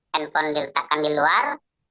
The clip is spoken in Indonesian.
handphone diletakkan di luar